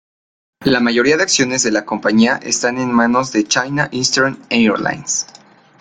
La mayoría de acciones de la compañía están en manos de China Eastern Airlines.